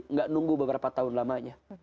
tidak menunggu beberapa tahun lamanya